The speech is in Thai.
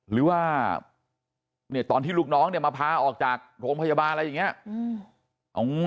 หรือว่าตอนที่ลูกน้องเนี่ยมาพาออกจากโรงพยาบาลอะไรอย่างนี้